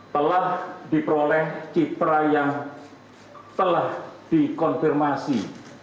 telah diperoleh citra yang telah dikonfirmasi